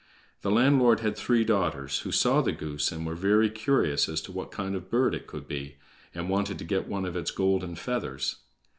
The landlord had three daughters, who saw the goose, and were very curious as to what kind of bird it could be, and wanted to get one of its golden feathers.